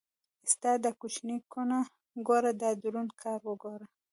ستا دا کوچنۍ کونه ګوره دا دروند کار وګوره.